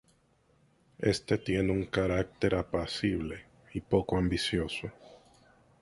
Éste tiene un carácter apacible y poco ambicioso.